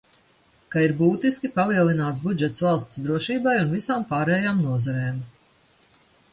Ka ir būtiski palielināts budžets valsts drošībai un visām pārējām nozarēm.